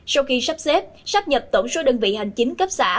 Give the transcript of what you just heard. sau khi sắp xếp sắp nhập tổng số đơn vị hành chính cấp xã